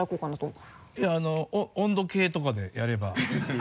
いやあの温度計とかでやれば。